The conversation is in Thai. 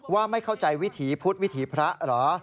ว่าไม่เข้าใจวิถีพุทธวิถีพระเหรอ